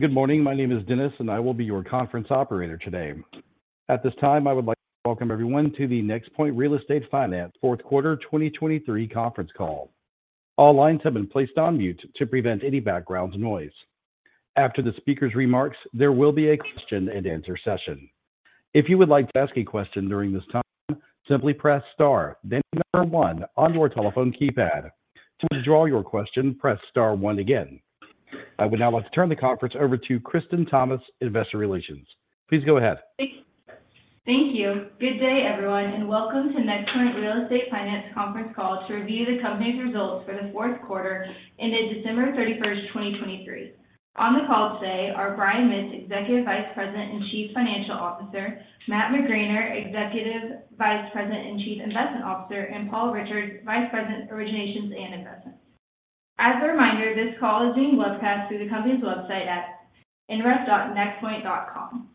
Good morning. My name is Dennis, and I will be your conference operator today. At this time, I would like to welcome everyone to the NexPoint Real Estate Finance Fourth Quarter 2023 conference call. All lines have been placed on mute to prevent any background noise. After the speaker's remarks, there will be a question and answer session. If you would like to ask a question during this time, simply press star, then number one on your telephone keypad. To withdraw your question, press star one again. I would now like to turn the conference over to Kristen Thomas, Investor Relations. Please go ahead. Thank you. Thank you. Good day, everyone, and welcome to NexPoint Real Estate Finance conference call to review the company's results for the fourth quarter ended December 31, 2023. On the call today are Brian Mitts, Executive Vice President and Chief Financial Officer, Matt McGraner, Executive Vice President and Chief Investment Officer, and Paul Richards, Vice President, Originations and Investments. As a reminder, this call is being webcast through the company's website at invest.nexpoint.com.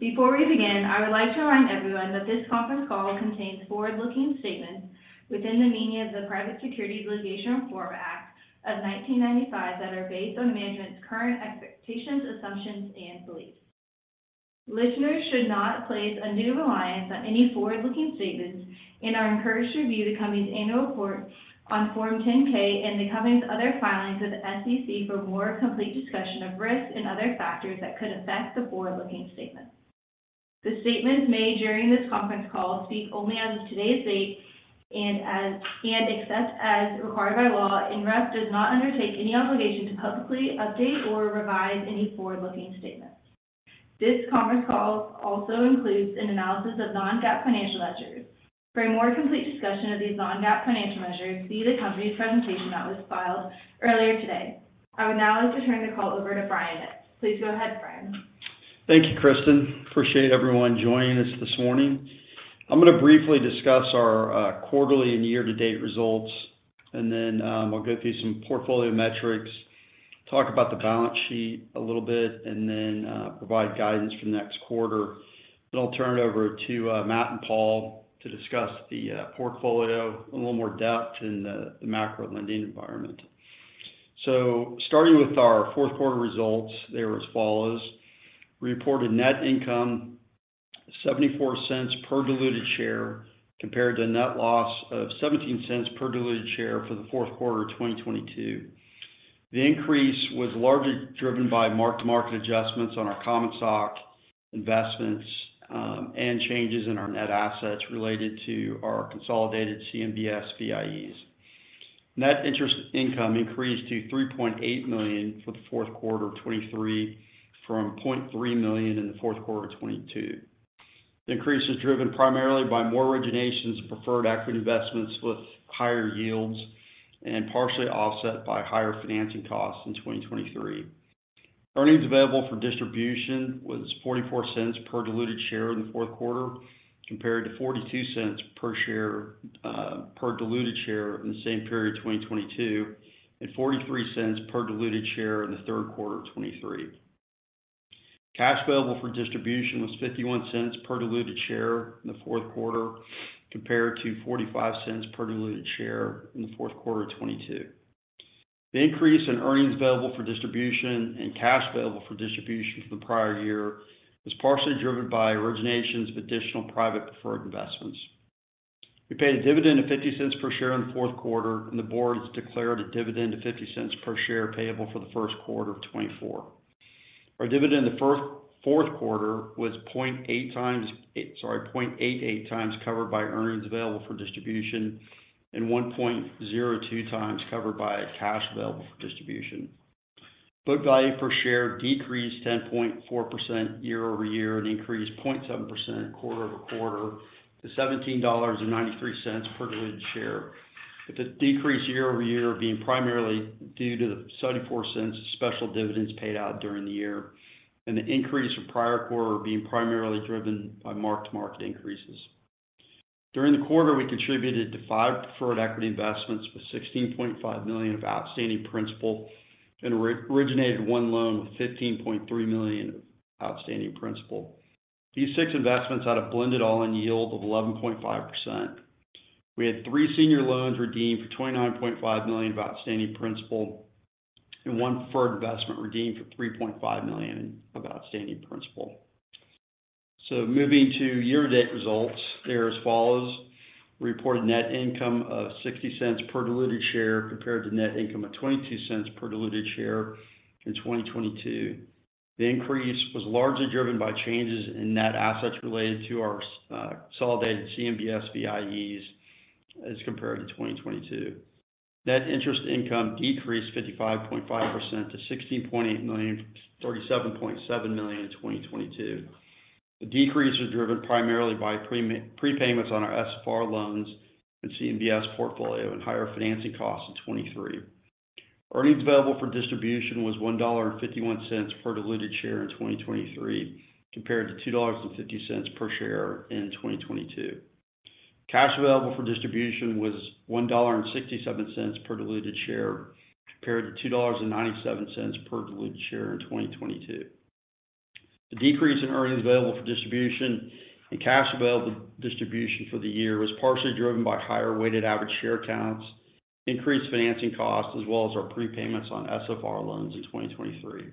Before we begin, I would like to remind everyone that this conference call contains forward-looking statements within the meaning of the Private Securities Litigation Reform Act of 1995, that are based on management's current expectations, assumptions, and beliefs. Listeners should not place undue reliance on any forward-looking statements and are encouraged to review the company's annual report on Form 10-K and the company's other filings with the SEC for more complete discussion of risks and other factors that could affect the forward-looking statements. The statements made during this conference call speak only as of today's date and, except as required by law, NexPoint does not undertake any obligation to publicly update or revise any forward-looking statements. This conference call also includes an analysis of non-GAAP financial measures. For a more complete discussion of these non-GAAP financial measures, see the company's presentation that was filed earlier today. I would now like to turn the call over to Brian Mitts. Please go ahead, Brian. Thank you, Kristen. Appreciate everyone joining us this morning. I'm going to briefly discuss our quarterly and year-to-date results, and then we'll go through some portfolio metrics, talk about the balance sheet a little bit, and then provide guidance for the next quarter. Then I'll turn it over to Matt and Paul to discuss the portfolio in a little more depth in the macro lending environment. So starting with our fourth quarter results, they were as follows: reported net income $0.74 per diluted share, compared to a net loss of $0.17 per diluted share for the fourth quarter of 2022. The increase was largely driven by mark-to-market adjustments on our common stock investments and changes in our net assets related to our consolidated CMBS VIEs. Net interest income increased to $3.8 million for the fourth quarter of 2023, from $0.3 million in the fourth quarter of 2022. The increase is driven primarily by more originations of preferred equity investments with higher yields, and partially offset by higher financing costs in 2023. Earnings available for distribution was $0.44 per diluted share in the fourth quarter, compared to $0.42 per share, per diluted share in the same period, 2022, and $0.43 per diluted share in the third quarter of 2023. Cash available for distribution was $0.51 per diluted share in the fourth quarter, compared to $0.45 per diluted share in the fourth quarter of 2022. The increase in earnings available for distribution and cash available for distribution from the prior year was partially driven by originations of additional private preferred investments. We paid a dividend of $0.50 per share in the fourth quarter, and the board has declared a dividend of $0.50 per share payable for the first quarter of 2024. Our dividend in the fourth quarter was 0.88 times covered by earnings available for distribution and 1.02 times covered by cash available for distribution. Book value per share decreased 10.4% year over year, and increased 0.7% quarter over quarter to $17.93 per diluted share, with the decrease year over year being primarily due to the $0.74 special dividends paid out during the year, and the increase from prior quarter being primarily driven by mark-to-market increases. During the quarter, we contributed to 5 preferred equity investments with $16.5 million of outstanding principal and re-originated 1 loan with $15.3 million of outstanding principal. These 6 investments had a blended all-in yield of 11.5%. We had 3 senior loans redeemed for $29.5 million of outstanding principal, and 1 preferred investment redeemed for $3.5 million of outstanding principal. So moving to year-to-date results, they are as follows: reported net income of $0.60 per diluted share, compared to net income of $0.22 per diluted share in 2022. The increase was largely driven by changes in net assets related to our consolidated CMBS VIEs as compared to 2022. Net interest income decreased 55.5% to $16.8 million, from $37.7 million in 2022. The decrease was driven primarily by prepayments on our SFR loans and CMBS portfolio and higher financing costs in 2023. Earnings available for distribution was $1.51 per diluted share in 2023, compared to $2.50 per share in 2022. Cash available for distribution was $1.67 per diluted share, compared to $2.97 per diluted share in 2022. The decrease in earnings available for distribution and cash available for distribution for the year was partially driven by higher weighted average share counts, increased financing costs, as well as our prepayments on SFR loans in 2023.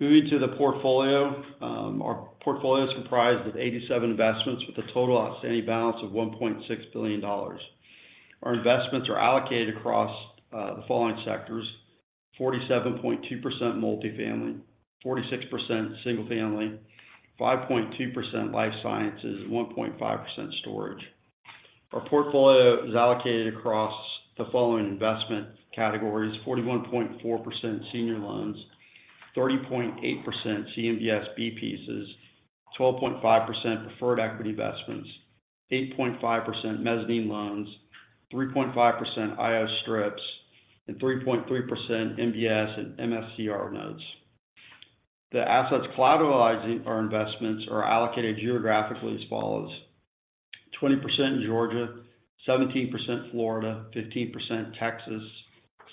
Moving to the portfolio. Our portfolio is comprised of 87 investments, with a total outstanding balance of $1.6 billion. Our investments are allocated across the following sectors: 47.2% multifamily, 46% single family, 5.2% life sciences, and 1.5% storage. Our portfolio is allocated across the following investment categories: 41.4% senior loans, 30.8% CMBS B pieces, 12.5% preferred equity investments, 8.5% mezzanine loans, 3.5% IO strips, and 3.3% MBS and MSCR notes. The assets collateralizing our investments are allocated geographically as follows: 20% Georgia, 17% Florida, 15% Texas,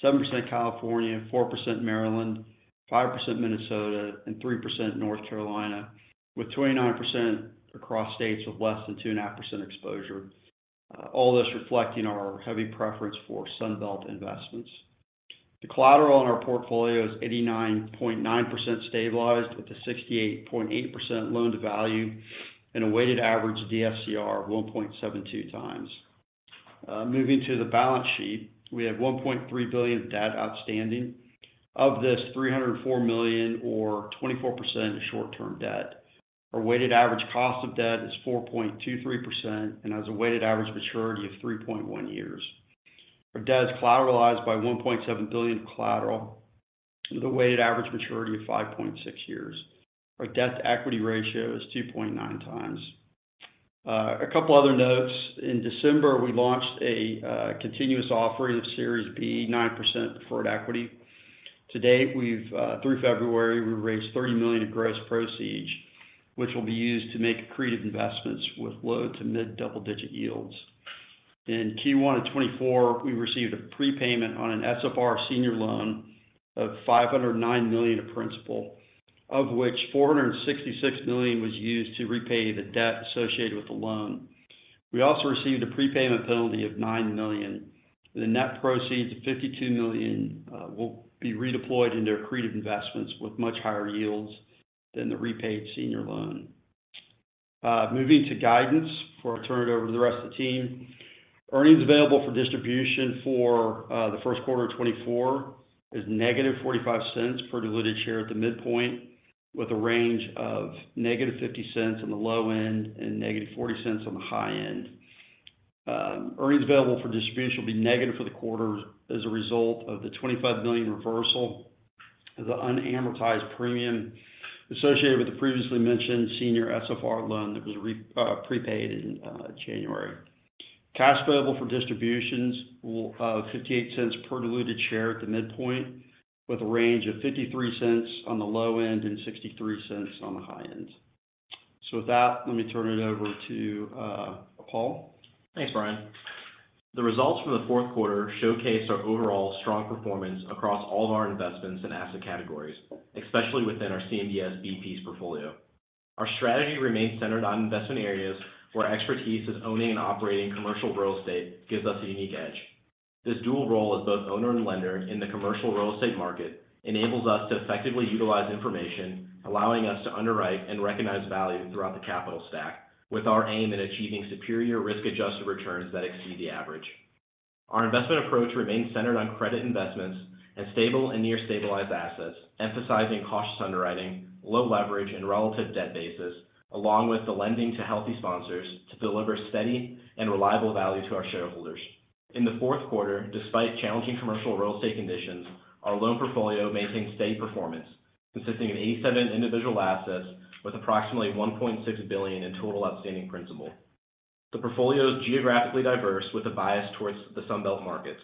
7% California, 4% Maryland, 5% Minnesota, and 3% North Carolina, with 29% across states of less than two and a half percent exposure. All this reflecting our heavy preference for Sun Belt investments. The collateral in our portfolio is 89.9% stabilized, with a 68.8% loan-to-value and a weighted average DSCR of 1.72 times. Moving to the balance sheet. We have $1.3 billion debt outstanding. Of this, $304 million or 24% is short-term debt. Our weighted average cost of debt is 4.23%, and has a weighted average maturity of 3.1 years. Our debt is collateralized by $1.7 billion collateral, with a weighted average maturity of 5.6 years. Our debt-to-equity ratio is 2.9 times. A couple other notes. In December, we launched a continuous offering of Series B 9% preferred equity. To date, through February, we've raised $30 million of gross proceeds, which will be used to make accretive investments with low to mid-double-digit yields. In Q1 of 2024, we received a prepayment on an SFR senior loan of $509 million of principal, of which $466 million was used to repay the debt associated with the loan. We also received a prepayment penalty of $9 million. The net proceeds of $52 million will be redeployed into accretive investments with much higher yields than the repaid senior loan. Moving to guidance before I turn it over to the rest of the team. Earnings available for distribution for the first quarter of 2024 is -$0.45 per diluted share at the midpoint, with a range of -$0.50 on the low end and -$0.40 on the high end. Earnings available for distribution will be negative for the quarter as a result of the $25 million reversal of the unamortized premium associated with the previously mentioned senior SFR loan that was prepaid in January. Cash available for distributions will be $0.58 per diluted share at the midpoint, with a range of $0.53 on the low end and $0.63 on the high end. So with that, let me turn it over to Paul. Thanks, Brian. The results from the fourth quarter showcase our overall strong performance across all of our investments and asset categories, especially within our CMBS B piece portfolio. Our strategy remains centered on investment areas where expertise is owning and operating commercial real estate gives us a unique edge. This dual role as both owner and lender in the commercial real estate market enables us to effectively utilize information, allowing us to underwrite and recognize value throughout the capital stack, with our aim in achieving superior risk-adjusted returns that exceed the average. Our investment approach remains centered on credit investments and stable and near stabilized assets, emphasizing cautious underwriting, low leverage and relative debt basis, along with the lending to healthy sponsors to deliver steady and reliable value to our shareholders. In the fourth quarter, despite challenging commercial real estate conditions, our loan portfolio maintained steady performance, consisting of 87 individual assets with approximately $1.6 billion in total outstanding principal. The portfolio is geographically diverse, with a bias towards the Sun Belt markets.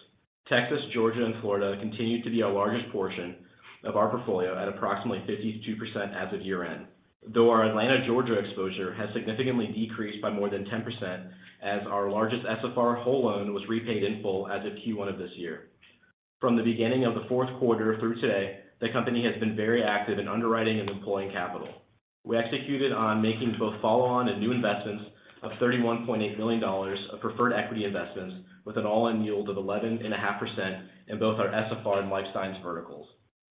Texas, Georgia, and Florida continue to be our largest portion of our portfolio at approximately 52% as of year-end, though our Atlanta, Georgia, exposure has significantly decreased by more than 10% as our largest SFR whole loan was repaid in full as of Q1 of this year. From the beginning of the fourth quarter through today, the company has been very active in underwriting and deploying capital. We executed on making both follow-on and new investments of $31.8 million of preferred equity investments with an all-in yield of 11.5% in both our SFR and life science verticals.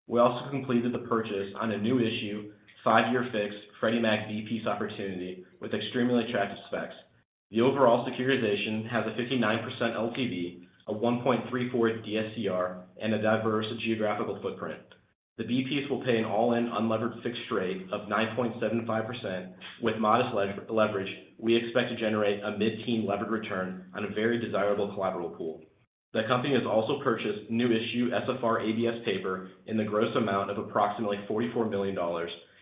We also completed the purchase on a new issue, 5-year fixed Freddie Mac B piece opportunity with extremely attractive specs. The overall securitization has a 59% LTV, a 1.34 DSCR, and a diverse geographical footprint. The B piece will pay an all-in unlevered fixed rate of 9.75%. With modest leverage, we expect to generate a mid-teen levered return on a very desirable collateral pool. The company has also purchased new issue SFR ABS paper in the gross amount of approximately $44 million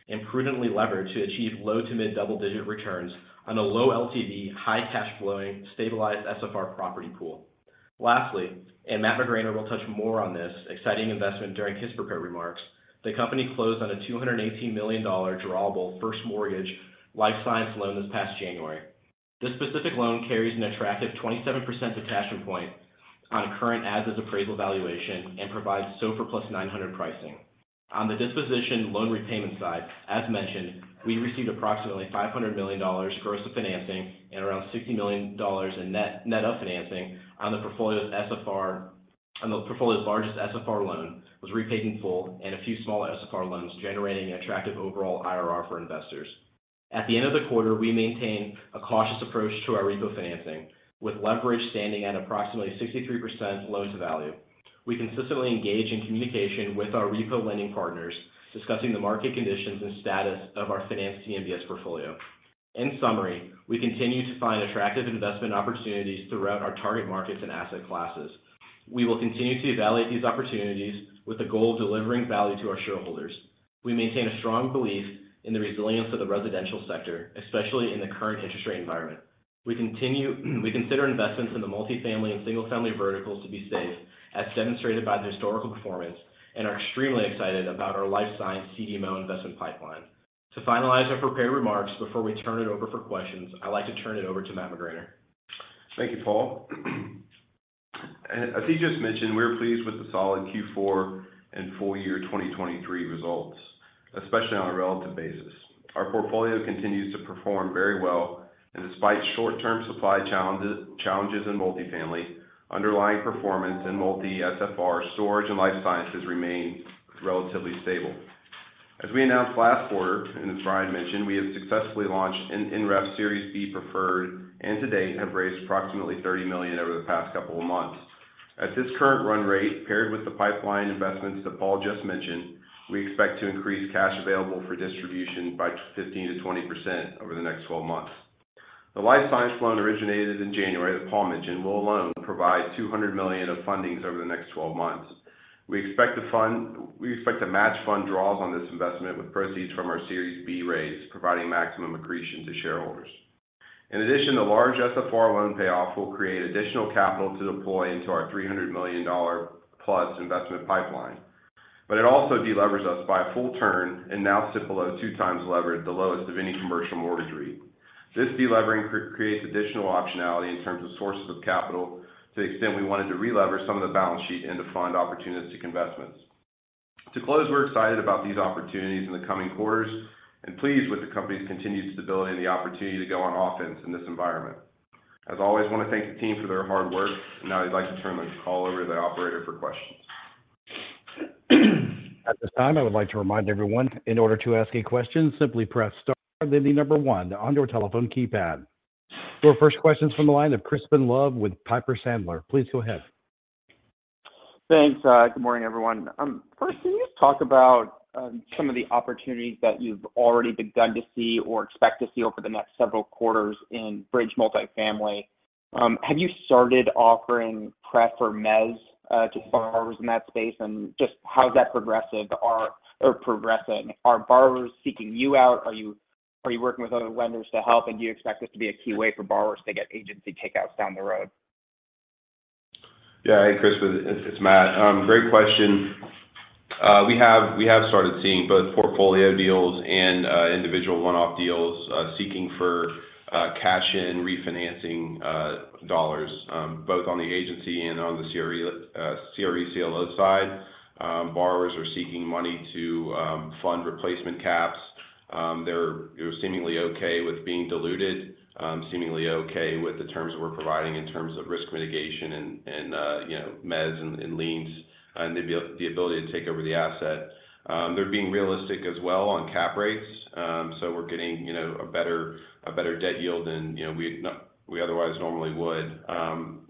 and prudently levered to achieve low to mid-double-digit returns on a low LTV, high cash flowing, stabilized SFR property pool. Lastly, and Matt McGraner will touch more on this exciting investment during his prepared remarks, the company closed on a $218 million drawable first mortgage life science loan this past January. This specific loan carries an attractive 27% detachment point on current as-is appraisal valuation and provides SOFR +900 pricing. On the disposition loan repayment side, as mentioned, we received approximately $500 million gross of financing and around $60 million in net-net of financing on the portfolio's SFR. The portfolio's largest SFR loan was repaid in full and a few small SFR loans, generating an attractive overall IRR for investors. At the end of the quarter, we maintained a cautious approach to our repo financing, with leverage standing at approximately 63% loan to value. We consistently engage in communication with our repo lending partners, discussing the market conditions and status of our financed CMBS portfolio. In summary, we continue to find attractive investment opportunities throughout our target markets and asset classes. We will continue to evaluate these opportunities with the goal of delivering value to our shareholders. We maintain a strong belief in the resilience of the residential sector, especially in the current interest rate environment. We consider investments in the multifamily and single-family verticals to be safe, as demonstrated by the historical performance, and are extremely excited about our life science CDMO investment pipeline. To finalize our prepared remarks before we turn it over for questions, I'd like to turn it over to Matt McGraner. Thank you, Paul. As he just mentioned, we're pleased with the solid Q4 and full year 2023 results, especially on a relative basis. Our portfolio continues to perform very well, and despite short-term supply challenges, challenges in multifamily, underlying performance in multi SFR storage and life sciences remain relatively stable. As we announced last quarter, and as Brian mentioned, we have successfully launched an NREF Series B Preferred, and to date, have raised approximately $30 million over the past couple of months. At this current run rate, paired with the pipeline investments that Paul just mentioned, we expect to increase cash available for distribution by 15%-20% over the next 12 months. The life science loan originated in January, that Paul mentioned, will alone provide $200 million of fundings over the next 12 months. We expect to match fund draws on this investment with proceeds from our Series B raise, providing maximum accretion to shareholders. In addition, the large SFR loan payoff will create additional capital to deploy into our $300 million plus investment pipeline. But it also delevers us by a full turn and now sits below 2x lever, the lowest of any commercial mortgage REIT. This delevering creates additional optionality in terms of sources of capital to the extent we wanted to relever some of the balance sheet and to fund opportunistic investments. To close, we're excited about these opportunities in the coming quarters and pleased with the company's continued stability and the opportunity to go on offense in this environment. As always, I want to thank the team for their hard work, and now I'd like to turn the call over to the operator for questions. At this time, I would like to remind everyone, in order to ask a question, simply press star, then the number one on your telephone keypad. Your first question is from the line of Crispin Love with Piper Sandler. Please go ahead. Thanks. Good morning, everyone. First, can you just talk about some of the opportunities that you've already begun to see or expect to see over the next several quarters in Bridge Multifamily? Have you started offering pref or mezz to borrowers in that space? And just how is that progressive or progressing? Are borrowers seeking you out? Are you working with other lenders to help, and do you expect this to be a key way for borrowers to get agency take-outs down the road? Yeah. Hey, Crispin, it's Matt. Great question. We have started seeing both portfolio deals and individual one-off deals seeking for cash in refinancing dollars both on the agency and on the CRE CRE CLO side. Borrowers are seeking money to fund replacement caps. They're, you know, seemingly okay with being diluted, seemingly okay with the terms we're providing in terms of risk mitigation and, and you know, mezz and liens, and the ability to take over the asset. They're being realistic as well on cap rates. So we're getting, you know, a better debt yield than, you know, we otherwise normally would.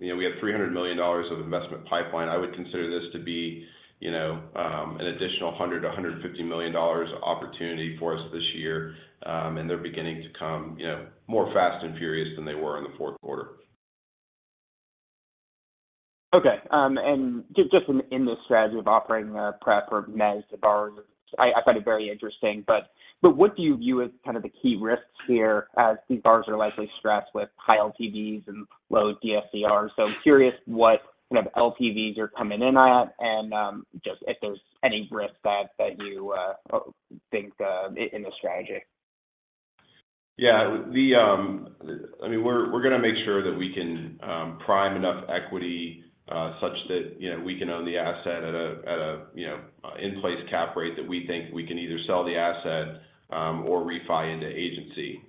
You know, we have $300 million of investment pipeline. I would consider this to be, you know, an additional $100 million-$150 million opportunity for us this year. And they're beginning to come, you know, more fast and furious than they were in the fourth quarter. Okay. And just in the strategy of offering pref or mezz to borrowers, I find it very interesting, but what do you view as kind of the key risks here as these borrowers are likely stressed with high LTVs and low DSCR? So I'm curious what kind of LTVs you're coming in at and just if there's any risks that you think in the strategy. Yeah, I mean, we're going to make sure that we can prime enough equity such that, you know, we can own the asset at a, you know, in-place cap rate that we think we can either sell the asset or refi into agency.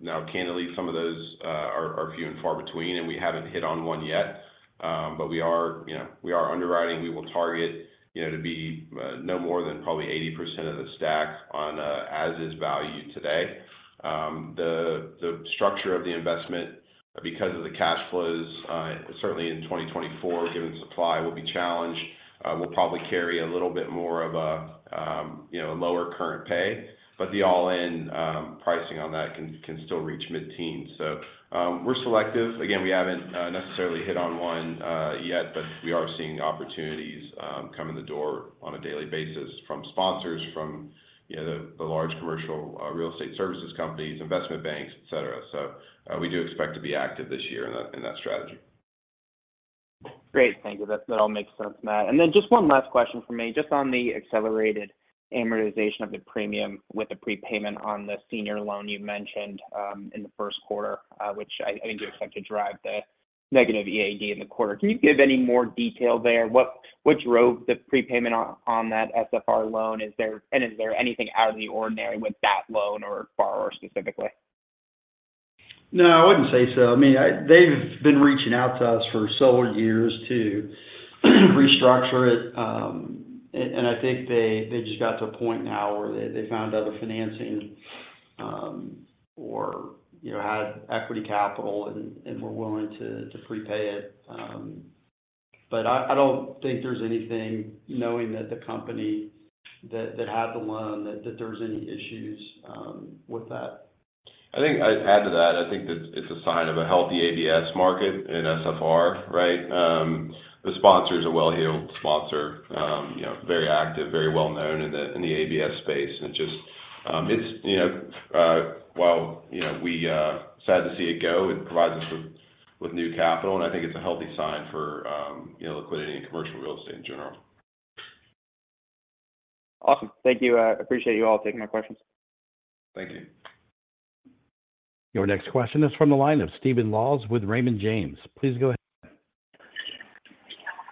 Now, candidly, some of those are few and far between, and we haven't hit on one yet. But we are, you know, underwriting. We will target, you know, to be no more than probably 80% of the stack on a as-is value today. The structure of the investment, because of the cash flows, certainly in 2024, given supply will be challenged, will probably carry a little bit more of a, you know, a lower current pay, but the all-in pricing on that can still reach mid-teen. So, we're selective. Again, we haven't necessarily hit on one yet, but we are seeing opportunities come in the door on a daily basis from sponsors, from, you know, the large commercial real estate services companies, investment banks, et cetera. So, we do expect to be active this year in that strategy. Great. Thank you. That all makes sense, Matt. And then just one last question for me, just on the accelerated amortization of the premium with the prepayment on the senior loan you mentioned in the first quarter, which I think you expect to drive the negative EAD in the quarter. Can you give any more detail there? Which drove the prepayment on that SFR loan? Is there anything out of the ordinary with that loan or borrower specifically? No, I wouldn't say so. I mean, they've been reaching out to us for several years to restructure it. And I think they just got to a point now where they found other financing, or, you know, had equity capital and were willing to prepay it. But I don't think there's anything, knowing that the company that had the loan, that there's any issues, with that. I think I'd add to that. I think that it's a sign of a healthy ABS market in SFR, right? The sponsor is a well-heeled sponsor, you know, very active, very well known in the, in the ABS space. And just, it's, you know, while, you know, we, sad to see it go, it provides us with, with new capital, and I think it's a healthy sign for, you know, liquidity and commercial real estate in general. Awesome. Thank you. Appreciate you all taking my questions. Thank you. Your next question is from the line of Stephen Laws with Raymond James. Please go ahead.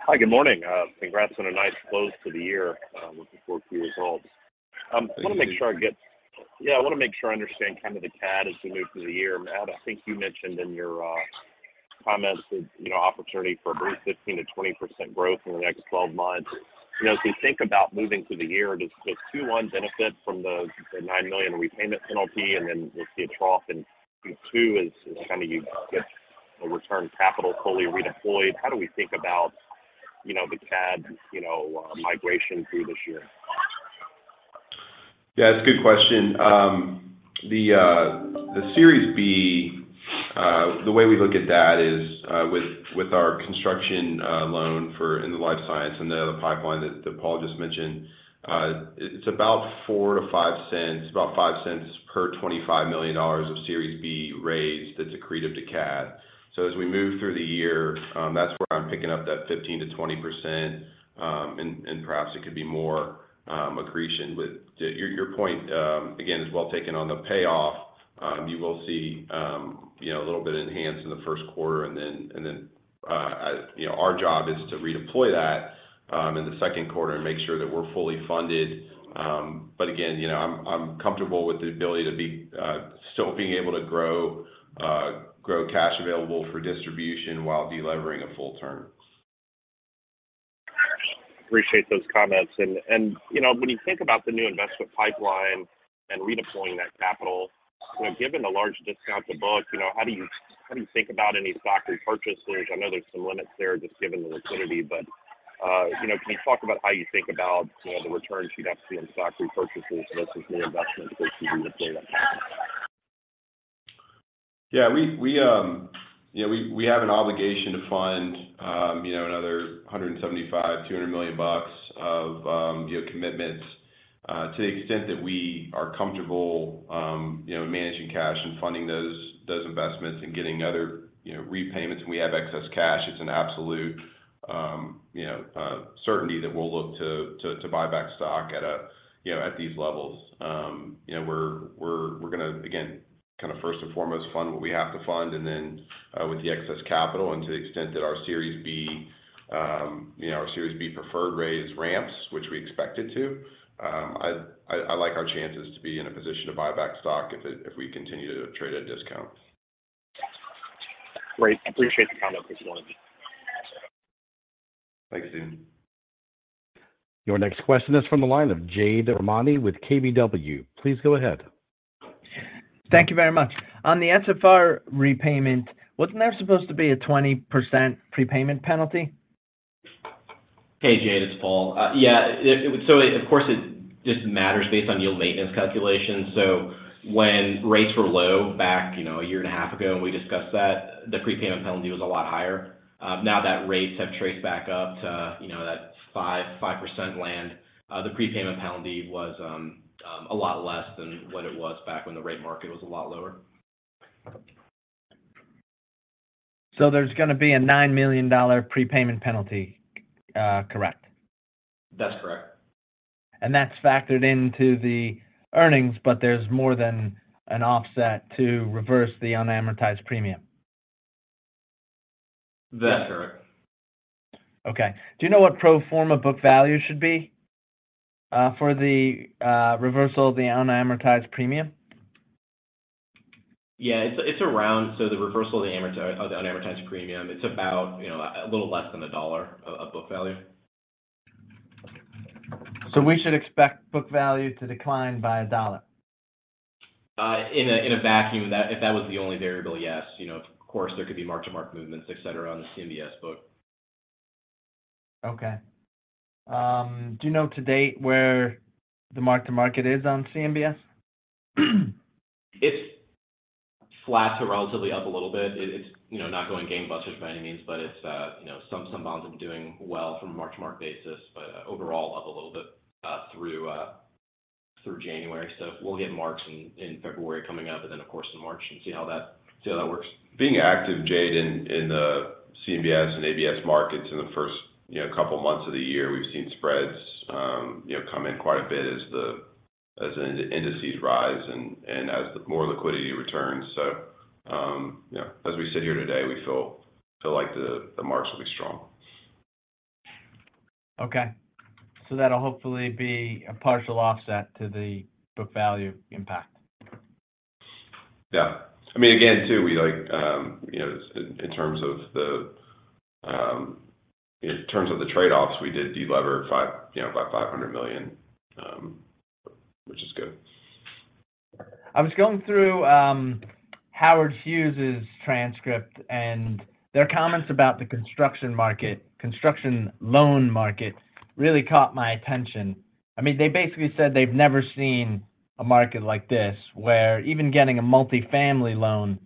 Hi, good morning. Congrats on a nice close to the year. Looking forward to your results. Thank you. I wanna make sure I understand kind of the CAD as we move through the year. Matt, I think you mentioned in your comments that, you know, opportunity for a brief 15%-20% growth in the next 12 months. You know, as we think about moving through the year, does one benefit from the $9 million repayment penalty, and then we'll see a trough? And two, is as kind of you get a return capital fully redeployed, how do we think about, you know, the CAD, you know, migration through this year? Yeah, it's a good question. The Series B, the way we look at that is, with our construction loan for in the life science and the other pipeline that Paul just mentioned, it's about $0.04-$0.05, about $0.05 per $25 million of Series B raised that's accretive to CAD. So as we move through the year, that's where I'm picking up that 15%-20%, and perhaps it could be more accretion. But your point, again, is well taken. On the payoff, you will see, you know, a little bit of enhancement in the first quarter, and then, you know, our job is to redeploy that, in the second quarter and make sure that we're fully funded. But again, you know, I'm comfortable with the ability to still be able to grow cash available for distribution while delevering a full term. Appreciate those comments. And, you know, when you think about the new investment pipeline and redeploying that capital, you know, given the large discount to book, you know, how do you, how do you think about any stock repurchases? I know there's some limits there, just given the liquidity, but, you know, can you talk about how you think about, you know, the returns you'd have to see on stock repurchases versus new investments versus redeploy that capital? Yeah, we, you know, we have an obligation to fund, you know, another $175 million-$200 million of deal commitments. To the extent that we are comfortable, you know, managing cash and funding those investments and getting other, you know, repayments, and we have excess cash, it's an absolute, you know, certainty that we'll look to buy back stock at a, you know, at these levels. You know, we're gonna, again, kind of first and foremost fund what we have to fund, and then, with the excess capital and to the extent that our Series B, you know, our Series B preferred raise ramps, which we expect it to, I like our chances to be in a position to buy back stock if it-- if we continue to trade at a discount. Great. Appreciate the comment on this one. Thanks, Steven. Your next question is from the line of Jade Rahmani with KBW. Please go ahead. Thank you very much. On the SFR repayment, wasn't there supposed to be a 20% prepayment penalty? Hey, Jade, it's Paul. Yeah, so of course, it just matters based on yield maintenance calculations. So when rates were low back, you know, a year and a half ago, and we discussed that, the prepayment penalty was a lot higher. Now that rates have traced back up to, you know, that 5.5% land, the prepayment penalty was a lot less than what it was back when the rate market was a lot lower. There's gonna be a $9 million prepayment penalty, correct? That's correct. That's factored into the earnings, but there's more than an offset to reverse the unamortized premium? That's correct. Okay. Do you know what pro forma book value should be for the reversal of the unamortized premium? Yeah, it's around. So the reversal of the unamortized premium, it's about, you know, a little less than $1 of book value. So we should expect book value to decline by $1? In a vacuum, that, if that was the only variable, yes. You know, of course, there could be mark-to-market movements, et cetera, on the CMBS book. Okay. Do you know to date where the mark to market is on CMBS? It's flat to relatively up a little bit. It is, you know, not going gangbusters by any means, but it's, you know, some, some bonds have been doing well from a mark-to-market basis, but overall up a little bit, through, through January. So we'll get March in February coming up, and then, of course, in March, and see how that works. Being active, Jade, in the CMBS and ABS markets in the first, you know, couple months of the year, we've seen spreads come in quite a bit as the indices rise and as more liquidity returns. So, you know, as we sit here today, we feel like the marks will be strong. Okay. That'll hopefully be a partial offset to the book value impact. Yeah. I mean, again, too, we like, you know, in terms of the trade-offs, we did delever by $500 million, you know, which is good. I was going through Howard Hughes's transcript, and their comments about the construction market, construction loan market really caught my attention. I mean, they basically said they've never seen a market like this, where even getting a multifamily loan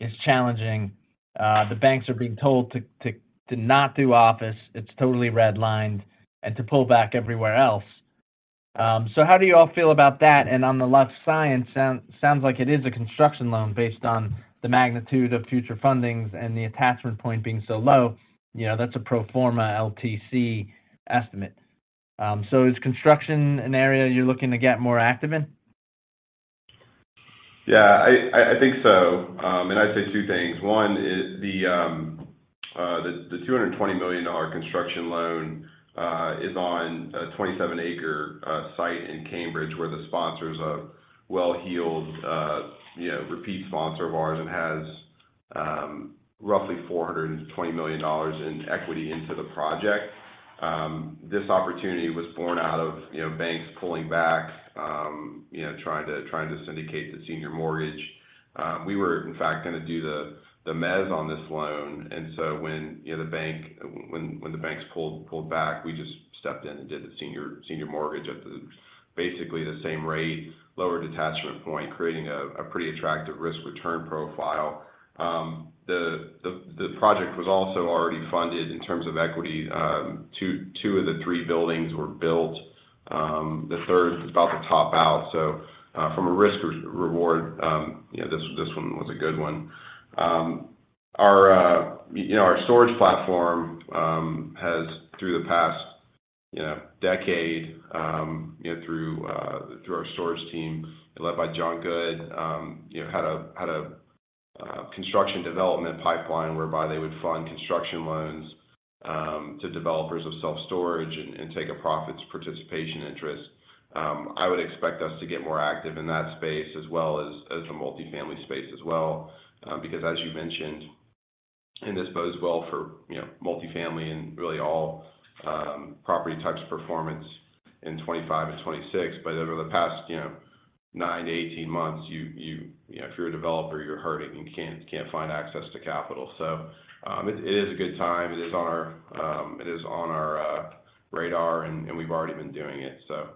is challenging. The banks are being told to, to, to not do office, it's totally red-lined, and to pull back everywhere else. So how do you all feel about that? And on the life science sounds like it is a construction loan based on the magnitude of future fundings and the attachment point being so low, you know, that's a pro forma LTC estimate. So is construction an area you're looking to get more active in? Yeah, I think so. And I'd say two things. One is the $220 million construction loan is on a 27-acre site in Cambridge, where the sponsor is a well-heeled, you know, repeat sponsor of ours and has roughly $420 million in equity into the project. This opportunity was born out of, you know, banks pulling back, you know, trying to syndicate the senior mortgage. We were, in fact, gonna do the mezz on this loan, and so when, you know, the banks pulled back, we just stepped in and did the senior mortgage at basically the same rate, lower detachment point, creating a pretty attractive risk-return profile. The project was also already funded in terms of equity. 2 of the 3 buildings were built. The third is about to top out. So, from a risk-reward, you know, this one was a good one. Our you know, our storage platform has through the past, you know, decade, you know, through our storage team, led by John Good, you know, had a construction development pipeline whereby they would fund construction loans to developers of self-storage and take a profits participation interest. I would expect us to get more active in that space, as well as the multifamily space as well. Because as you mentioned, and this bodes well for, you know, multifamily and really all property types of performance in 2025 and 2026. But over the past, you know, 9-18 months, you know, if you're a developer, you're hurting, you can't find access to capital. So, it is a good time. It is on our radar, and we've already been doing it, so,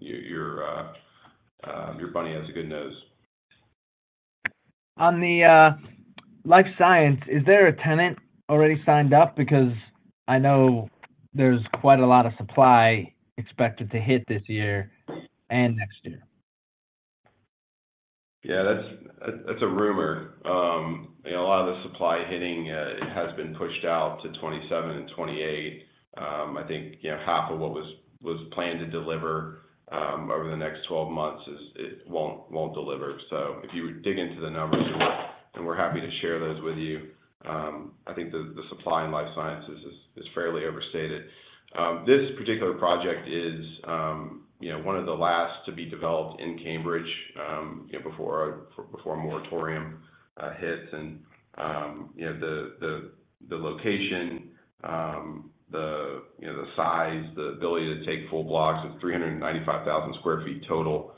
your bunny has a good nose. On the life science, is there a tenant already signed up? Because I know there's quite a lot of supply expected to hit this year and next year. Yeah, that's a rumor. You know, a lot of the supply hitting, it has been pushed out to 2027 and 2028. I think, you know, half of what was planned to deliver over the next 12 months is, it won't deliver. So if you dig into the numbers, and we're happy to share those with you, I think the supply in life sciences is fairly overstated. This particular project is, you know, one of the last to be developed in Cambridge, you know, before a moratorium hits. And, you know, the location, the size, the ability to take full blocks of 395,000 sq ft total,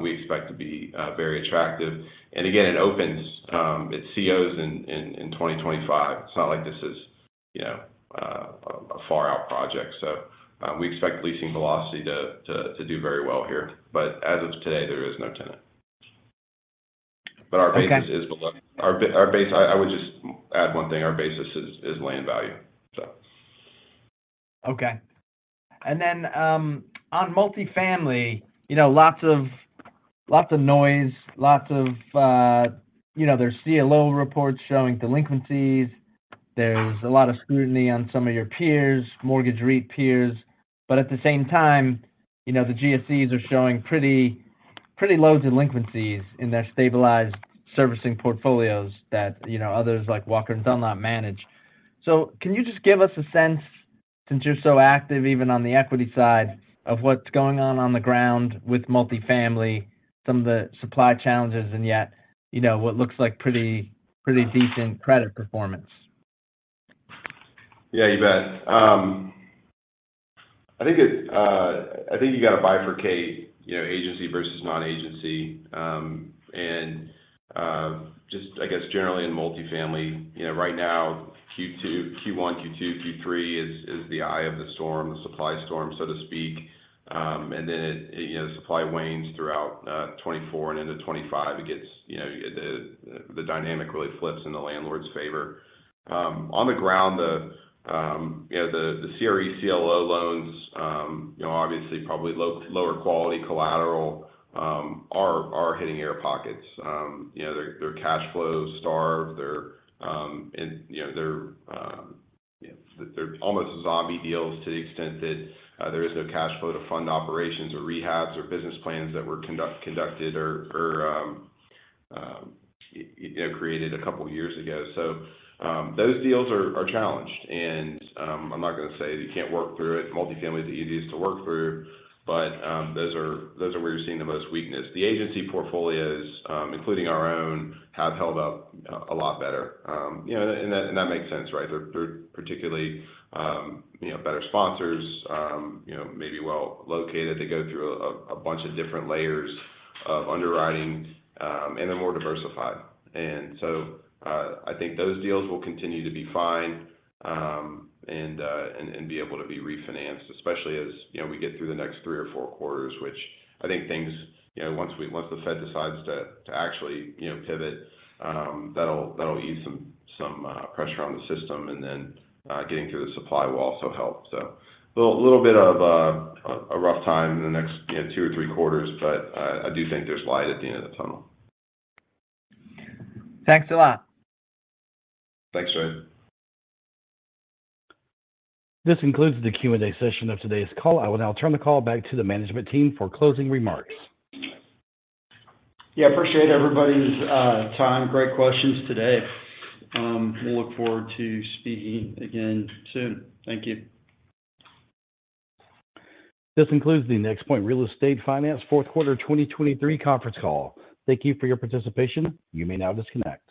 we expect to be very attractive. Again, it opens, it COs in 2025. It's not like this is, you know, a far-out project, so we expect leasing velocity to do very well here. But as of today, there is no tenant. Okay. But our basis is below. I would just add one thing, our basis is land value, so. Okay. And then, on multifamily, you know, lots of, lots of noise, lots of, you know, there's CLO reports showing delinquencies, there's a lot of scrutiny on some of your peers, mortgage REIT peers, but at the same time, you know, the GSEs are showing pretty, pretty low delinquencies in their stabilized servicing portfolios that, you know, others like Walker & Dunlop manage. So can you just give us a sense, since you're so active, even on the equity side, of what's going on on the ground with multifamily, some of the supply challenges, and yet, you know, what looks like pretty, pretty decent credit performance? Yeah, you bet. I think you got to bifurcate, you know, agency versus non-agency. And just I guess generally in multifamily, you know, right now, Q2—Q1, Q2, Q3 is the eye of the storm, the supply storm, so to speak. And then it, you know, supply wanes throughout 2024 and into 2025. It gets, you know, the dynamic really flips in the landlord's favor. On the ground, you know, the CRE CLO loans, you know, obviously probably lower quality collateral are hitting air pockets. You know, their cash flows are-... and, you know, they're almost zombie deals to the extent that there is no cash flow to fund operations or rehabs or business plans that were conducted or, you know, created a couple of years ago. So, those deals are challenged. And, I'm not gonna say you can't work through it. Multifamily is the easiest to work through, but those are where you're seeing the most weakness. The agency portfolios, including our own, have held up a lot better. You know, and that makes sense, right? They're particularly, you know, better sponsors, you know, maybe well located. They go through a bunch of different layers of underwriting, and they're more diversified. And so, I think those deals will continue to be fine, and be able to be refinanced, especially as, you know, we get through the next three or four quarters, which I think things, you know, once the Fed decides to actually, you know, pivot, that'll ease some pressure on the system, and then getting through the supply will also help. So a little bit of a rough time in the next, you know, two or three quarters, but I do think there's light at the end of the tunnel. Thanks a lot. Thanks, Ray. This concludes the Q&A session of today's call. I will now turn the call back to the management team for closing remarks. Yeah, appreciate everybody's time. Great questions today. We'll look forward to speaking again soon. Thank you. This concludes the NexPoint Real Estate Finance Fourth Quarter 2023 conference call. Thank you for your participation. You may now disconnect.